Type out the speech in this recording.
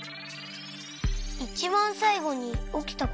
いちばんさいごにおきたこと？